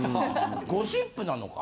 ゴシップなのか？